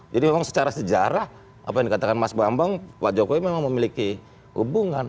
jadi memang secara sejarah apa yang dikatakan mas bambang pak jokowi memang memiliki hubungan